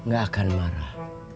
gak akan marah